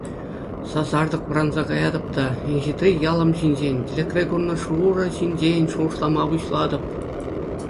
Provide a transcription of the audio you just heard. Сасартӑк вӑранса каятӑп та инҫетри ялӑм ҫинчен, тӗлӗкре курнӑ Шура ҫинчен шухӑшлама пуҫлатӑп.